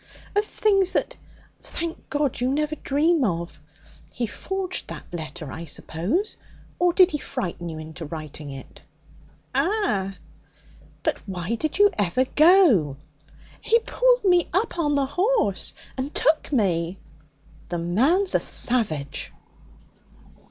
'Of things that, thank God, you never dream of. He forged that letter, I suppose? Or did he frighten you into writing it?' 'Ah.' 'But why did you ever go?' 'He pulled me up on the horse and took me.' 'The man's a savage.'